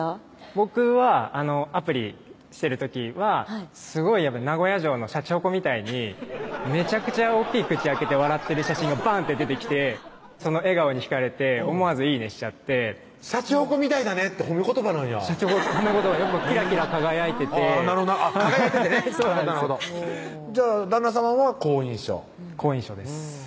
僕はアプリしてる時はすごい名古屋城のしゃちほこみたいにめちゃくちゃ大きい口開けて笑ってる写真がバンって出てきてその笑顔にひかれて思わず「イイね」しちゃって「しゃちほこみたいだね」って褒め言葉なんやしゃちほこ褒め言葉キラキラ輝いてて輝いててねなるほどなるほどじゃあ旦那さまは好印象好印象です